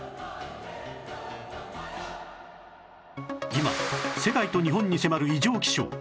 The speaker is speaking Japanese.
今世界と日本に迫る異常気象